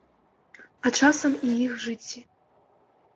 А часам і іх жыцці.